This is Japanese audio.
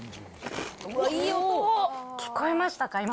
聞こえましたか？